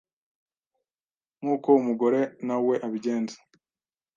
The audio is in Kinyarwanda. nk’uko umugore nawe abigenza